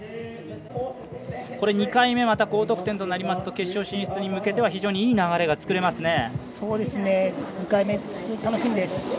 ２回目また高得点となりますと決勝進出に向けては非常にいい流れが作れます。